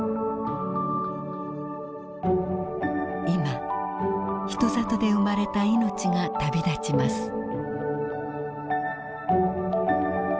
今人里で生まれた命が旅立ちます。